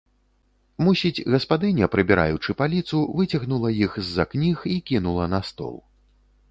Мусіць, гаспадыня, прыбіраючы паліцу, выцягнула іх з-за кніг і кінула на стол.